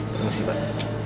terima kasih pak